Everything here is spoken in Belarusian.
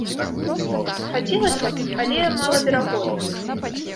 Хацелася б, але малаверагодна.